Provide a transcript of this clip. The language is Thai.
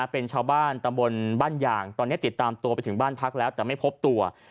เป็นชาวบ้านตำบลบ้านหยางตอนนี้ติดตามตัวไปถึงบ้านพักแล้วแต่ไม่พบตัว